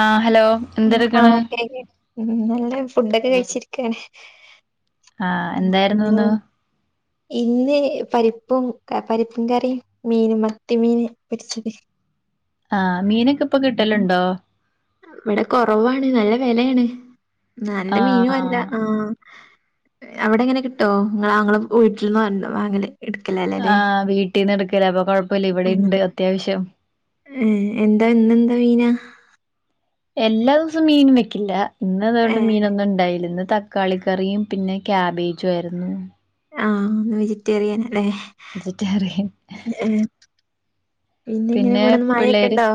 ആ ഹലോ ആ ആ എന്തെടുക്കണ് ശരി നല്ല ഫുഡൊക്കെ കഴിച്ചിരിക്കാണ് ആ ഉം ഇന്നോ എന്തായിരുന്നുന്ന് ഇന്ന് പരിപ്പും പരിപ്പും കറി മീൻ മത്തി മീൻ പൊരിച്ചത് ആഹ് മീനൊക്കെ ഇപ്പൊ കിട്ടലുണ്ടോ ഇവടെ കൊറവാണ് നല്ല വിലയാണ് നല്ല ആ മീനും അല്ല ആഹ് അവിടെ എങ്ങനെ കിട്ടോ ങ്ങളെ ആങ്ങള വീട്ടിൽന്ന വാ വാങ്ങൽ ആഹ് വീട്ടീ നിന്ന് എടുക്കല അപ്പൊ കുഴപ്പമില്ല ഇവിടെ ഉണ്ട് അത്യാവശ്യം ഹെ എന്താ ഇന്നെന്ത് മീന എല്ലാ ദിവസവും മീനും വെക്കില്ല ഇന്ന് അതുകൊണ്ട് ഏഹ് മീനൊന്നും ഉണ്ടായില്ല ഇന്ന് ത കളിക്കറിയും പിന്നെ ക്യാബേജും ആയിരുന്നു ആഹ് ഇന്ന് വെജിറ്റേറിയൻ അല്ലേ വെജിറ്റേറിയൻ ഏഹ് പിന്നെ എങ്ങനെ പോണ് ഇന്ന് മയൊക്കെ ഉണ്ടോ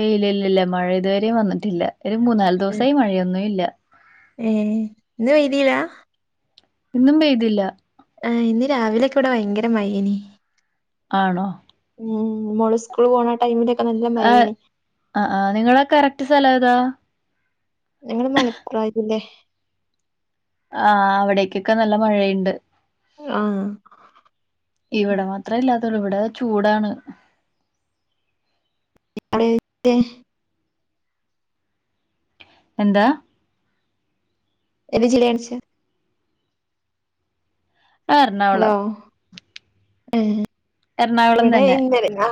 എ യ് ഇല്ല ഇല്ല ഇല്ല മഴ ഇതുവരെയും വന്നിട്ടില്ല ഒരു മൂന്ന നാല് ദിവസമായി മഴയൊന്നും ഇല്ല ഏഹ് ഇന്ന് വെയ്തീലാ ഇന്നും പെയ്തില്ല ആ ഇന്ന് രാവിലൊക്കെ ഇവിടെ ഭയങ്കര മഴയ്നീ ആണോ? ഉം മോള് സ്കൂള് പോണ ടൈമിലൊക്കെ നല്ല ആ മയയ്ന് ആ ആ നിങ്ങളെ കറക്റ്റ് സ്ഥലം ഏതാ? ഞങ്ങള് മലപ്പുറംയതില്ലേ ആ അവിടേക്കൊക്കെ നല്ല മഴയുണ്ട്. ആഹ് ഇവിടെ മാത്രേ ഇല്ലാത്തള്ളൂ ഇവിടെ ചൂടാണ്. [unintelligible] എന്താ എത് ജില്ലേണിച്ച ആ ഹലോ എറണാകുളം ഹെ എറണാകുളം ഇവിടെ തന്നെ ഇന്നലെ ആ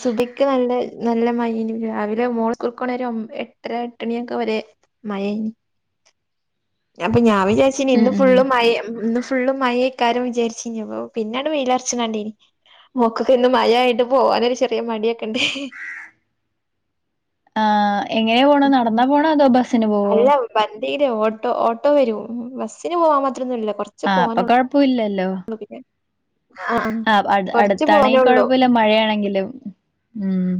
സുബയ്ക്ക് നല്ല നല്ല മയയ്നി രാവിലെ മോള് സ്കൂൾകൂ കണവരെ എട്ടര എട്ടണിയൊക്കെ വരെ. മയേനി അപ്പൊ ഞാൻ വിചാരിച്ച ഉം ഇന്ന് ഉം ഫുള് മയ ഇന്ന് ഫു ഫുള്ള് മയേക്കാരം വിചാരിച്ചിഞ്ഞപൊ പിന്നങ്ട്ട് വെയിലർച്ച്ണണ്ടീനീ മൊക്കൊക്കെ ഇന്ന് മഴായിട്ട് പോവാനൊരു ചെറിയ മടിയൊക്കെ ഇണ്ട്. ആ എങ്ങനെയാ പോണ നടന്നാ പോണ അതോ ബസ്സിന് പോവോ? വണ്ടീല്ല് ഓട്ടോ ഓട്ടോ വരും ബസ്സിന് പോവാൻ മാത്രംന്നുല്ല കൊർ ആഹ് അപ്പൊ കൊഴപ്പല്ലല്ലോ. ആഹ് ആഹ് ആ കൊറച്ച് അടുത്താണെങ്കി പോവാനൊള്ളൂ കൊഴപ്പല്ല മഴയാണെങ്കിലും ഉം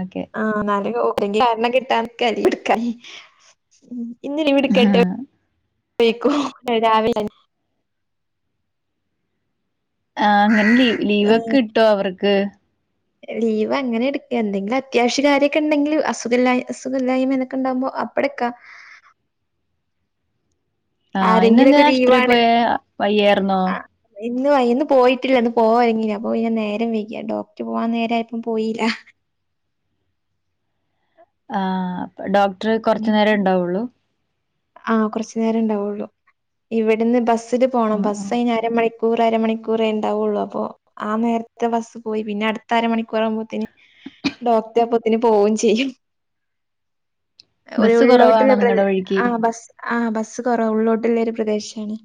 ഓക്കെ. ആ ന്നാല ങ്കും കാരണം കിട്ടാനിക്കാ ല്ലെ ക്കെ ലീവ് എടുക്കാൻ ഇന്ന് ലീവെടുത്ത് പൊയ്ക്കൊ ഇവിട കേട്ട് ക്കും രാവിലെ ആ അങ്ങനെ ലീ ലീവ്ക്കെ ഏഹ് കിട്ടൊ അവർക്ക്? ലീവ് അങ്ങനെ എടുക്കുക എന്തെങ്കിലത്യാവശ്യ കാര്യൊക്കെണ്ടെങ്കിൽ അസുഖ അസുഖല്ലായ്മതൊ ക്കെണ്ടാ കുമ്പൊ പ്പെട്ക്ക ആഹ് ഇന്നെന്തെ ആരെങ്കിലൊക്കെ ആശുപത്രിയിൽ ലീവാണ് പോയെ വയ്യായിരുന്നോ? ആഹ് ഇന്ന് ഇന്ന് പോയിട്ടില്ല ഇന്ന് പോവാരുങ്ങിയ അപ്പൊ പിന്നെ നേരം വെയികി ഡോക്ടർ പോവാൻ നേരായപ്പം പോയില്ല. ആ അപ്പൊ ഡോക്ടർ കൊറച്ചു നേരെ ഉണ്ടാവുള്ളൂ? ആ കുറച്ചു നേരെ ഉണ്ടാവുള്ളു ഇവിടുന്ന് ബസ്സില് പോണം ആ ആ ബസ് അയിഞ്ഞ അര മണി റരമണിക്കൂറേണ്ടാവുള്ളൂ അപ്പൊ ആ നേരത്തെ ബസ്സ് പോയി പിന്നെ അടുത്ത അരമണിക്കൂർ ആവു മ്പോത്തേന് ഡോക്ട അപ്പത്തിന് പോവയും ചെയ്യും. ഒരു ബസ്സ് കുറവാണോ ഉള്ളിലോട്ടുള്ള പ്ര നിങ്ങടെ വഴിക്ക് ആ ബസ് ആ ബസ്സ് കുറവ ഉള്ളോട്ടുള്ള ഒരു പ്രദേശാണ്.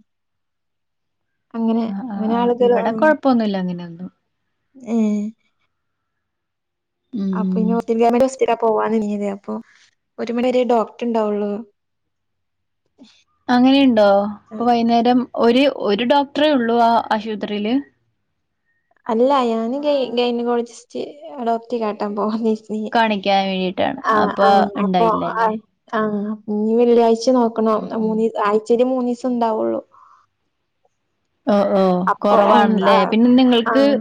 അങ്ങനെ ആ ആ അങ്ങനെ ആളുകൾ ആ ഇവിടെ കൊഴപ്പൊന്നുല്ല അങ്ങനെയൊന്നും ഏ അപ്പൊ ഉം ഇനി [unintelligible] പോവാന്ന് ഇനഞ്ഞത്പ്പൊ ഒരു മണി വരെ ഡോക്ടർ ഇണ്ടാവുള്ളു. അങ്ങനെയുണ്ടോ ഇപ്പൊ വൈന്നേരം ഒരു ഒരു ഡോക്ടറെേ ഉള്ളൂ ആ ആശുപത്രിയില്? അല്ല ഞാന് ഗൈന ഗൈന ക്കോ ളജിസ്റ്റ് ഡോക്ട്ടറെ കാട്ടാൻ പോകാന്ന് ചാരിച്ച് കാണിക്കാൻ വേണ്ടിയിട്ടാണ് - ആ അപ്പൊ ആ അപ്പൊ ആ ഇണ്ടായില്ലല്ലേ ആഹ് ഞ് വെള്ളിയാഴ്ച്ച നോക്കണം ഉം ഉം മൂന്ന് ആഴ്ചേല് മൂന്നീസം ഉണ്ടാവുള്ളൂ. ഓ ഓ അപ്പൊ ഉം കൊറവാണല്ലേ ആഹ് പിന്നെ നിങ്ങൾക്ക് ആഹ്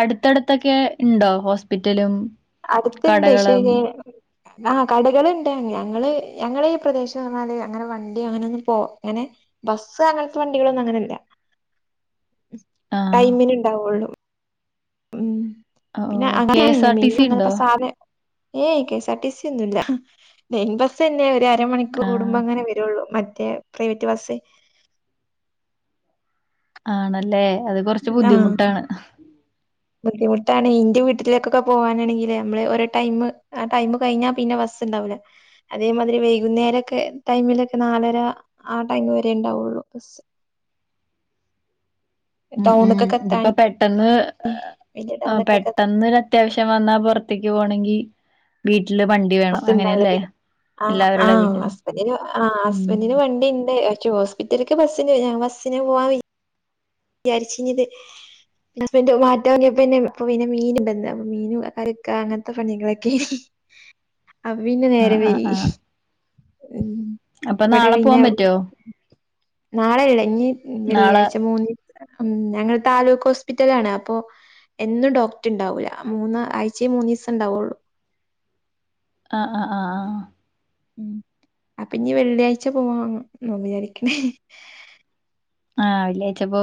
അടുത്തടുത്തൊക്കെ ഇൻണ്ടോ ഹോസ്പിറ്റലും? അടുത്ത്ണ്ട് കടകളും ശരി ആ കടകളുണ്ട് ഞങ്ങള് ഞങ്ങള് ഈ പ്രദേശം പറഞ്ഞാല് അങ്ങനെ വണ്ടി അങ്ങനെ ഒന്നും പോവ അങ്ങനെ ബസ്സ് അങ്ങനത്തെ വണ്ടികളൊന്നും അങ്ങനില്ല ആഹ് ടൈമിനെണ്ടാവുള്ളു. ഉം ഓ കെ എസ് പിന്നെ ആർ ടി സി മീന ഉണ്ടോ [unintelligible] സാന ഏയ് K S R T C ഒന്നൂല്ല ലൈൻ ബസ്ന്നെ ഒരു അര അര മണിക്കൂർ ആഹ് കൂടുമ്പോങ്ങനെ വരുള്ളൂ മറ്റേ പ്രൈവറ്റ് ബസ്സെ ആണല്ലേ അത് കൊറച്ച് ആഹ് ബുദ്ധിമുട്ടാണ്. ബുദ്ധിമുട്ടാണ് ഇന്റെ വീട്ടിലേക്കൊക്കെ പോവാാനാണെങ്കില് നമ്മള് ഓരോടൈം ആ ടൈം കഴിഞ്ഞാ പിന്നെ ബസ് ഉണ്ടാവൂല അതേമാതിരി വൈകുന്നേരൊക്കെ ടൈമിലൊക്കെ നാലര ആ ടൈമ് വരെ ഉണ്ടാവൊള്ളൂ ബസ്. ഉം ടൗണ്ക്കൊക്കെ എത്താൻ ഇതിപ്പൊ പെട്ടെന്ന് വലിയ ടൗണ്ക്കൊക്കെ പെട്ടെന്ന് ര ത്യാവശ്യം വന്നാ പുറത്തേക്ക് പോണെങ്കി വീട്ടില് വണ്ടി വേണം അങ്ങനെയല്ലേ. ആ എല്ലാവരുടെ ആഹ് വീട്ടിലും ഹസ്ബന്റിന് ആഹ് ഉം ഹസ്ബന്റിന് വണ്ടിണ്ട് പക്ഷേ ഹോസ് വീട്ട്ൽക്ക് ബസ്സ്ണ്ട് ഞാ ബസിന് പോവാൻവി യാരിച്ചിഞ്ഞത്. ന്റെ ഹസ്ബന്റ് മാറ്റം വങ്ങിയപ്പോഇപ്പൊ പിന്നെ മീൻ ബന്താ അപ്പ മീൻ കറിക്ക അങ്ങൻത്തെ പണികളൊ ക്കേനി. [inaudible] അപ്പ പിന്നെ ആ നേരം ആ വൈകി ആ ഉം. അപ്പൊ ഇവ്ടെ നാളെ പിന്ന പോവാൻ പറ്റുവോ നാളെല്ല ഇഞ്ഞി നാളെ വെള്ളിയാഴ്ച മൂന്നി അം ഞങ്ങള് താലൂക്ക് ഹോസ്പിറ്റലാണ് അപ്പൊ. എന്നും ഡോക്ടർ ഉണ്ടാവൂല മൂന്ന് ആഴ്ച്ചയി മൂന്നിസം ഉണ്ടാവുള്ളൂ. ആ ആ ആ ആഹ്. ഉം അപ്പൊ ഇഞ്ഞി വെള്ളിയാഴ്ച പോവാ നോ വിജാരിക്ക്ണേ. ആഹ് വെള്ളിയാഴ്ച്ച പോ.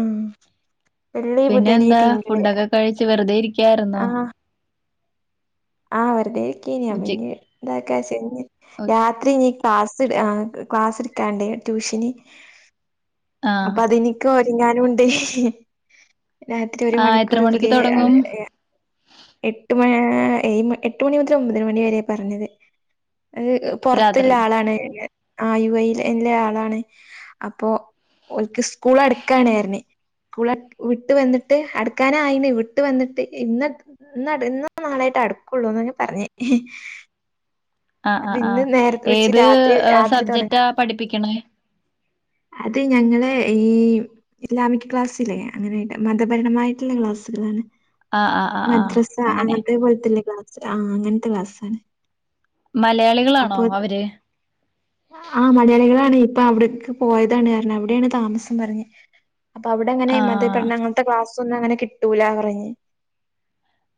ആഹ്. വെള്ളി പിന്നെ ബുധന് എന്താ തിങ്കള് ഫുഡൊക്കെ കഴിച്ച് വെറുതെ ഇരിക്കാർന്നോ? ആ വെറുതെരിക്കേന് അപ്പഞ്ഞി ഉച്ചക്ക് ഇതാക്കാച്ച്. ഉ- രാത്രി ഇനീ ക്ലാസ് ക്ലാസ് ഇട്ക്കാണ്ടേ ട്യൂഷന്. ആ അപ്പൊ അതെനിക്ക് ഒരുങ്ങാനുണ്ട്. രാത്രി ഒരു ആ എത്ര മണിക്കൂർ മണിക്ക് പുതിയ ആള് തുടങ്ങും എ. എട്ട് മൺ ആഹ് ഏഴ് മ എട്ട മണി മുതൽ ഒമ്പത് മണി വരെയ പറഞ്ഞത് അത് ഹ്. പൊറത്തുള്ള രാത്രി ആളാണ് ആ യു എയ് ലെ ആളാണ്. അപ്പൊ ഒൽക്ക് സ്കൂൾ അടുക്കാണ് ന്ന് പറഞ്ഞ് സ്കൂള വിട്ട് വന്നിട്ട് അട്ക്കാനായിണ് വിട്ട് വന്നിട്ട് ഇന്ന്. ഇന്നട് ഇന്നോ നാളായിട്ട് അടുക്കുള്ളൂന്ന ഞാ പറഞ്ഞേ. ആ ആ അപ്പൊ ആ ഇന്ന് നേരത്തെ വെച്ച് ഏത് രാത്രി രാത്രി സബ്ജക്റ്റാ തൊടങ്ങാന്ന്. പഠിപ്പിക്കണേ അത് ഞങ്ങള ഈം. ഇസ്ലാമിക്ക് ക്ലാസ്സില്ലേ അങ്ങനെയ്ട്ട് മത പഠനമായിട്ടുള്ള ക്ലാസ്സുകളാണ്. ആ ആ ആ ആ മദ്രസ അങ്ങനെ അങ്ങൻത്തെ പോലെത്തുള്ള ക്ലാസ് ആഹ് അങ്ങനത്തെ ക്ലാസാണ്. മലയാളികളാണോ അവര്? ആഹ് മലയാളികളാണ് ഇപ്പൊ അവിടക്ക് പോയതാണ് അവിടെയാണ് താമസം പറഞ്ഞ്. അപ്പൊ അവിടെ അങ്ങനെ ആഹ് മതപഠന അങ്ങൻത്തെ ക്ലാസ് ഒന്നും അങ്ങനെ കിട്ടുല പറഞ്ഞ്.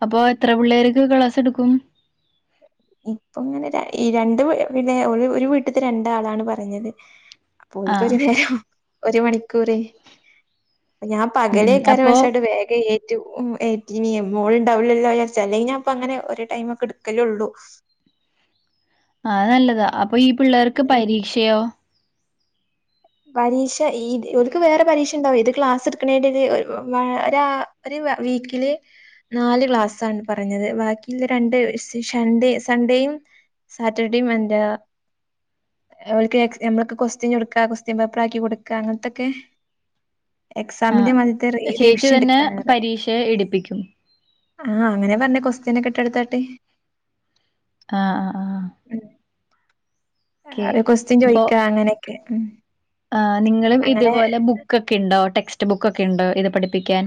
അപ്പൊ എത്ര പുള്ളേർക്ക് ക്ലാസ് എടുക്കും? ഇപ്പൊ ഇങ്ങനെ ര ഈ രണ്ട് പെ പിന്നെ ഒര് ഒരു വീട്ട്ത്തെ രണ്ടാളാണ് പറഞ്ഞത്. അപ്പോൽക്ക് ആഹ് ഒരു നേരം ഒരു മണിക്കൂറ്. ഞാൻ ഉം ഉം പകലേക്കാരെ അപ്പൊ പഷെവ്ടെ വേഗയ്യ. റ്റും ഉം ഏറ്റിനി മോള്ണ്ടാവില്ലല്ലോര്ച്ച് അല്ലെങ്കി ഞാപ്പങ്ങനെ ഒര് ടൈമക്കെ ഇട്ക്കലുള്ളൂ. [inaudible] ആ നല്ലതാ അപ്പൊ ഈ പിള്ളേർക്ക് പരീക്ഷയോ? പരീഷ ഈത് ക്ക് വേറെ പരീക്ഷ. ണ്ടാവും ഇത് ക്ലാസ് ഇട്ക്ക്ണിന്റൊര് ഒഹ് വാ ഒരാ ഒരു വീക്കില്. നാല് ക്ലാസ്സാണ് പറഞ്ഞത് ബാക്കിള്ള രണ്ട് ഒരു ശ് ശൺഡേ സൺഡേയും. സാറ്റർഡേം എന്താ അവക്ക് നമ്മൾക്ക് കൊസ്റ്റൻ കൊടുക്കാ കൊസ് കൊസ്റ്റിയൻ പേപ്പറാക്കി കൊട്ക്ക അങ്ങൻത്തൊക്കെ. എക്സാമിന്റെ ആഹ് മധ്യത്തെ റി ചേച്ചി റിവിഷൻ തന്നെ എടുക്കാനറെ. പരീക്ഷ എടുപ്പിക്കും ആഹ് അങ്ങനെ പർഞ്ഞെ കൊസ്റ്റിയെൻ നൊക്കെ ട്ടെടുത്താട്ട്. അ ആഹ ആഹ്. ഉം ഓക്കെ ഒരു ക്വസ്റ്റൻ അപ്പൊ ചോയ്ക്ക അങ്ങനെയൊക്കെ ഉം. ആഹ് നിങ്ങളും അങ്ങനെ ഇതുപോലെ ബുക്കൊക്കെ ഇണ്ടോ ടെക്സ്റ്റ് ബുക്കൊക്കെ ഇണ്ടോ ഇത് പഠിപ്പിക്കാൻ.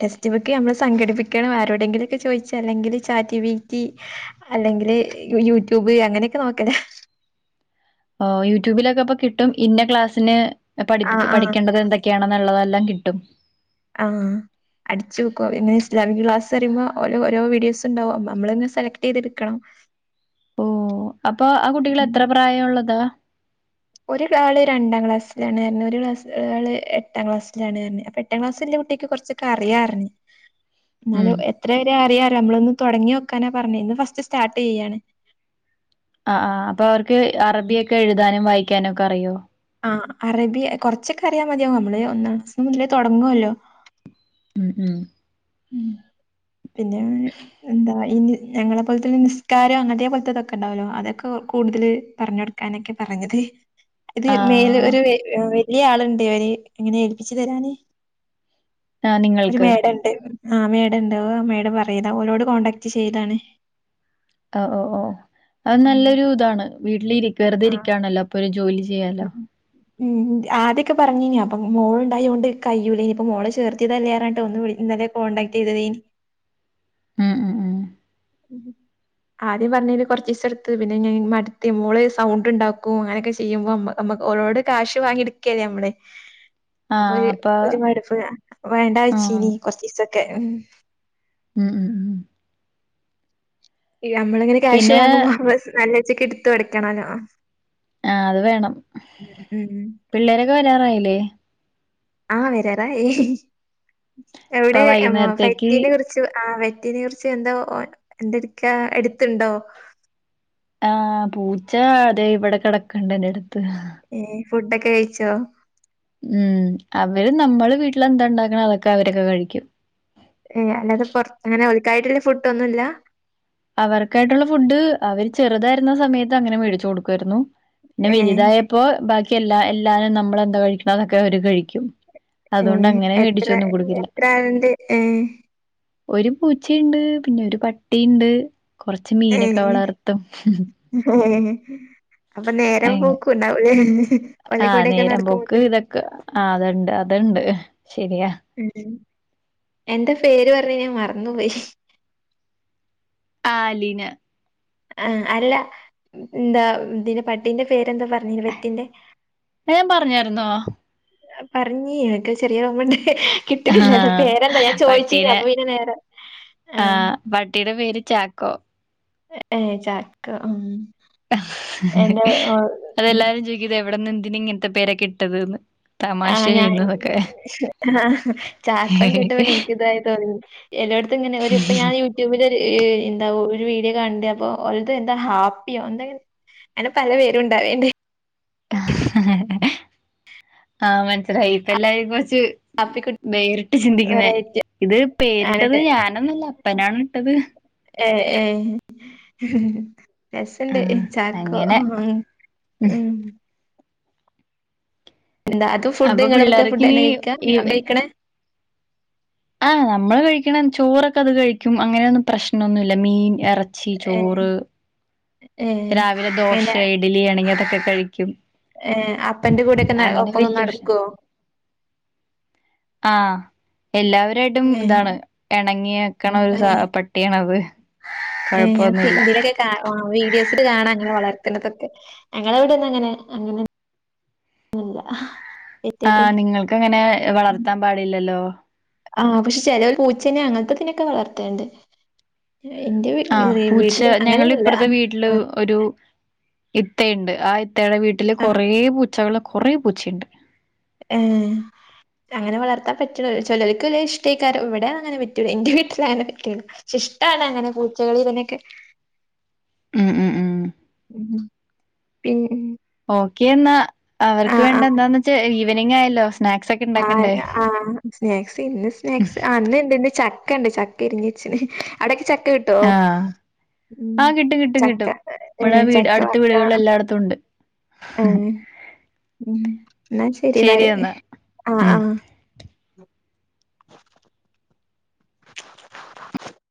ടെക്സ്റ്റ് ബുക്ക് നമ്മൾ സംഘടിപ്പിക്കണം ആരോടെങ്കിലും ഒക്കെ ചോയ്ച്ച് അല്ലെങ്കിൽ ചാറ്റിവീറ്റി. അല്ലെങ്കില് യൂട്യൂബ് അങ്ങനൊക്കെ നോക്കലാ. ഓ യൂട്യൂബിലൊക്കെ ഇപ്പ കിട്ടും ഇന്ന ക്ലാസ്സിന് ആഹ് പഠിപ്പ ആഹ് പഠേണ്ടത് എന്തൊ ക്കണെന്നുള്ളതെല്ലാം കിട്ടും ആഹ് അടിച്ചു നോക്കോ ഇങ്ങെ ഇസ്ലാമക് ക്ലാസ് അറുമ്പോ ഓ ഓരോ വീടി യോസ്ണ്ടാവും നമ്മളിെ സെലക്ട് ചെയ്തെടുക്കണം. ഓ അപ്പൊ ആ കുട്ടികൾ ഉം എത്ര പ്രായം ഉള്ളതാ ഒരു ആള് രണ്ടാം ക്ലാസ്സിലാണ് കയ ഒരു ക്ലാ ആള് എട്ടാം ക്ലാസ്സിലാണ് കയത് അപ്പൊ എട്ടാം ക്ലാസ് ഉള്ള കുട്ടിക്ക് കുറച്ചൊെ അറിയാറ് ഞ്ഞ് [inaudible] ഉം എന്നാലും എത്ര വരെ അറിയാാലോ നമ്മളൊന്ന് തുടങ്ങി വെക്കാനാ പറഞ്ഞേ ഇന്ന് ഫസ്റ്റ് സ്റ്റാർട്ട് ചെയ്യയാണ് ആ ആ അപ്പൊ അവർക്ക് അറബിയൊക്കെ എഴുതാനും വായിക്കാനും ഒക്കെ അറിയുമോ ആ അറേബിയ കുറച്ചൊക്കെ അറിയാ മതിയാോ നമ്മള് ഒന്ന മുന്നേ തുടങ്ങുവല്ലോ ഉം ഉം ഉം പിന്നെ [inaudible] എന്താ ഈ ഞങ്ങളെ പോലത്തെ നിസ്കാരോ അങ്ങനത്തെ പോലത്തെതൊക്കെ ഉണ്ടാവല്ലോ അതൊക്കെ കൂടുതൽ പറഞ്ഞ കൊടുക്ക കാനൊക്കെ പറഞ്ഞത്. [inaudible] ഇത് മേൽ ആഹ് ഒരു വല്യയ ആള്ണ്ട് അവര് ഇങ്ങനെ ഏൽപ്പിച്ചു തരാന്. ആഹ് ഒരു നിങ്ങൾക്ക് മേഡംണ്ട് ആഹ് മേഡംണ്ട് വ മേഡം പറയതാ ഓരോട് കോൻടാക്ട് ചെയ്താണ് ഓ ഓ ഓ അത് നല്ലൊരു താണ് വീട്ടിലിരി വെറുതെ ആഹ് ഇരികാണല്ലോ അപ്പൊ ഒരു ജോലി ചെയ്യാലോ. [inaudible] ഉം ഉം ആദ്യൊക്കെ പറഞീന്നീ അപ്പം മോള് ണ്ടായൊണ്ട് കയ്യൂലേനിയിപ്പോ മോളെ ചേർത്തിയതല്ലേറഞ്ഞിട്ട് ഒന്ന് വി ന്നലേ കോൺടാക്ട്ട് ചെയ്തതേനീ ഉം ഉം ഉം. [inaudible] ആദ്യം പറഞീല് കൊർച്ചീസംട്ത്ത് പിന്നെ മട്ത് മോള് സൗണ്ട് ണ്ടാക്കും അങ്ങനെയൊക്കെ ചെയ്യുമ്പോ മ്മ നമ്മക്ക് ഓരോട് കാശ് വാങ്ങി എടുക്കേല്ലേ മ്മള്. [inaudible] അപ്പൊ ഒരു അപ്പ ഒരു മടുപ്പ് വേണ്ട വേച് ആഹ് ഇനി കൊറച്ചീസൊക്കെ ഉം. ഉം ഉം ഉം നമ്മളിങ്ങനെ ക്യാഷ് പിന്നെ വാങ്ങുമ്പോ നമ്മ നല്ല ച്ചക്ക് എടുത് കൊടക്കണല്ലോ. ആഹ് അത് വേണം. ഉ ഉം ഉ. പിള്ളേരൊക്കെ വരാറായില്ലേ ആഹ് വരാറായി ഇപ്പൊ എവടെ വൈകുന്നേരത്തേക്ക് ഫൈറ്റിനെ കുറി ആഹ് വെറ്റിനീർച്ച എന്താ എന്ത്‌ട്ക്കാ എടുത്തുണ്ടോ? ആഹ് പൂച്ച അതെ ഇവടെ കേടക്ണ്ട് ന്റെ അടുത്ത്. ഏ ഫുഡൊക്കെ കഴിച്ചോ? ഉം അവര് നമ്മള് വീട്ടിലന്താണ്ടാക്കണം അതൊക്കെ അവരൊക്കെ കഴിക്കും. ഏ അല്ലാതെ പൊറ അങ്ങനെ ഒൽക്കായിട്ട്ള്ള ഫുഡ് ഒന്നുല്ല. അവർക്കായിട്ടുള്ള ഫുഡ് അവര് ചെറുതായിരുന്ന സമയത്ത് അങ്ങനെ മേടിച്ചു കൊടുക്കുആയിരുന്നു പിന്നെ ഏ വലുതായ അപ്പൊ ബാക്കി എല്ലാ എല്ലാരും നമ്മളെന്താ കഴിക്ണ് അതൊക്കെ അവര് കഴിക്കും. അതുകൊണ്ട് അങ്ങനെ എത്ര മേടിച്ചൊന്നും കൊടുക്കില്ല. എത്ര ആള്ണ്ട് ഏഹ്. ഒരു പൂച്ചയിണ്ട് പിന്നെ ഒരു പട്ടിയിണ്ട് കൊറച്ച് ഏ മീനൊക്കെ വളർത്തും. അപ്പൊ നേരം പോക്കൂണ്ട അവൂലേ. ആഹ് നേരം പോക്ക് ഇതൊക്കെ ആ അത്ണ്ട് അതുണ്ട് ശരിയാ. ഉം എന്താ പേര് പറഞ് ഞാൻ മറന്നുപോയി. ആലിന. ആഹ് അല്ല എന്താ ഇതിന്റെ പട്ടീന്റെ പേരെന്താ പർഞ് ഞാൻ പറഞ്ഞായിരുന്നോ? പറഞ്ഞി ഇക്ക് ചെറിയ ഒർമ്മണ്ട്. കിട്ടില്ലന്താ ആഹ് പേരെന്താ ഞാൻ ചോദിച്ചീനീ പട്ടീനെ അപ്പൊ പിന്നെ നേരെ ആഹ് പട്ടിയിടെ പേര് ചാക്കോ. ഏഹ് ചാക്കൊ മ്മ്ഹ്. ഉം അതെല്ലാരും ചോയ്ക്കും ഇത് എവിട്ന്ന് ന്തിന് ഇങ്ങൻത്തെ പേര കിട്ട ത് ന്ന്. മാശെ ഞാൻ എന്നാ ഓക്കെ. ആഹ് ചാക്കോൻ കേട്ട പിന്നെ എനക്ക്തായി തോന്നി. എല്ലായിടത്തും ങ്ങനെ ഒരു ഇപ്പ ഞാന് വിടെ ഒരു ന്താ ഒരു വീഡിയോ കാണണ്ട അപ്പൊ എന്താ ഹാപ്പിയോ എന്തെ അങ്ങനെ പല പേരു ഉണ്ടാവേണ്ട് ആഹ് മനസിലായി ഇപ്പ എല്ലാ [unintelligible] കൊർച് ഹാപ്പിക്കുട്ടി വേറിട്ട് ചിന്തിക്കുന്നേ വെറൈറ്റി ഇത് പേരിട്ടത് ആണിട്ട് ഞാനൊന്നുല്ല അപ്പനാണ് ഇട്ടത്. ഏ ഏ രസണ്ട് ആഹ് ചാക്കോ അങ്ങനെ ഉം ഉം. എന്താ അതും അപ്പൊ ഫുഡ്ങ്ങളെത്തെ പിള്ളേർക്ക് ഫുഡ് ഇനി തന്നെ കഴിക്കാ ഈവ കഴിക്കണേ. ആഹ് നമ്മള് കഴിക്ണം ചോറൊക്കെ അത് കഴിക്കും, അങ്ങനെയൊന്നും പ്രശ്നമൊന്നുല്ല മീൻ ഇറ ച്ചി ഏഹ് ചോറ് ഏഹ് രാവിലെ ദോശ അയിനെ ഇഡലി ആണെങ്കി അതൊക്കെ കഴിക്കും. ഏഹ് അപ്പന്റെ കൂടെക്കെ ന അങ്ങനെ ഒപ്പങ്ങും വല്യ പ്രശ്ന നടക്കോ ആഹ് എല്ലാവരായിട്ടും ഏഹ് ഇതാണ് എണങ്ങിക്കണ ഒരു സ ഏഹ് പട്ട് പട്ടിയാണത്. ഏഹ് കൊഴപ്പൊന്നുല്ല [unintelligible] ക്കാ ആഹ് വീഡിയോസിൽ കാണാ അങ്ങനെ വളർത്തുന്നതൊക്കെ ഞങ്ങള അവിടൊന്നും അങ്ങനെ അങ്ങനെ ഇല്ല. ആഹ് നിങ്ങൾക്ക് അങ്ങനെ വളർത്താൻ പാടില്ലല്ലോ? ആഹ് പക്ഷെ ചെലോല് പൂച്ചനെ അങ്ങനത്തെ ഇതിനൊക്കെ വളർത്തണ്ട്. ഏഹ് ഇൻ്റെ വീ ആഹ് പൂച്ച വീട്ടില് അങ്ങനെയൊന്നുല്ല. ഞങ്ങിളിപ്പറത്തെ വീട്ടില് ആഹ് ഒരു ഇത്തയുണ്ട് ആ ഇത്തയുടെ വീട്ടില് ആഹ് കൊറേ പൂച്ചകള് കൊറെ പൂച്ചയുണ്ട്. ഏഹ് അങ്ങനെ വളർത്താൻ പറ്റണത് ചെലോൽക്ക്ല്ലേ ഇഷ്ട്ടായിക്കാരം ഇവിടെ അങ്ങനെ പറ്റൂല്ല ഇന്റെ വീട്ടില് അങ്ങനെ പറ്റൂല്ല പഷെ ഇഷ്ട്ടാണ് അങ്ങനെ പൂച്ചകളെ ഇതിനെയൊക്കെ ഉം ഉം ഉം ഉം പിൻ ഓക്കെന്നാ അവർക്ക് ആഹ് വേണ്ടെ ആഹ് എന്താന്ന് വെച്ച ഈവനിങ് ആയല്ലോ സ്നാക്സ് ഒക്ക് ആഹ് ആഹ് സ്നാക്സ് ഇന്ന് സ്നാക്സ് [unintelligible] ഇണ്ട് ഇന്ന് ചട്ട് ചക്ക ഇണ്ട് ചക്ക ഇരിഞ്ഞ് വെച്ചിന് അവിടെയെക്കെ ചക്ക കിട്ട് ആഹ് ആഹ് കിട്ടും കിട്ടും ചക്ക കിട്ടും ഇവടെ ഏഹ് വീട് അടുത്ത വീടുകളിൽ എല്ലായിടത്തും ഉണ്ട്. ഉം ഉം ഇന്നാ ശരി ഇന്നാല് ആഹ് ഉം ആഹ്